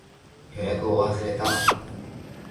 予約を忘れた